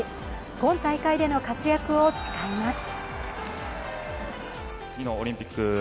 今大会での活躍を誓います。